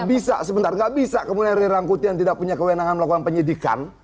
bisa sebentar nggak bisa kemudian rangkut yang tidak punya kewenangan melakukan penyidikan